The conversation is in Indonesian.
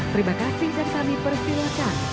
terima kasih dan kami persilahkan